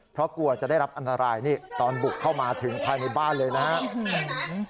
เพราะกลัวจะได้รับอันตรายนี่ตอนบุกเข้ามาถึงภายในบ้านเลยนะครับ